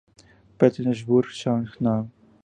Petersburg South No.